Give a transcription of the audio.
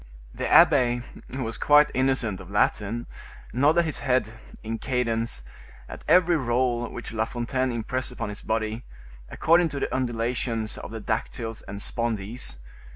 The abbe, who was quite innocent of Latin, nodded his head, in cadence, at every roll which La Fontaine impressed upon his body, according to the undulations of the dactyls and spondees.